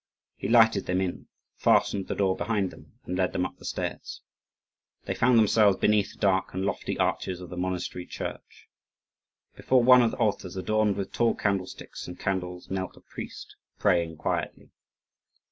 He lighted them in, fastened the door behind them, and led them up the stairs. They found themselves beneath the dark and lofty arches of the monastery church. Before one of the altars, adorned with tall candlesticks and candles, knelt a priest praying quietly.